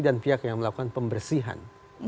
dan pihak yang melakukan pembersihan